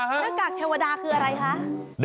หน้ากากเทวดาคืออะไรคะ